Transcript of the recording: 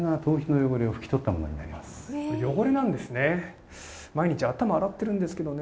汚れなんですね。